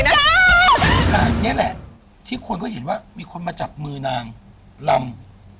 นี่แหละที่คนก็เห็นว่ามีคนมาจับมือนางลำ